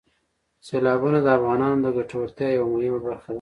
سیلابونه د افغانانو د ګټورتیا یوه مهمه برخه ده.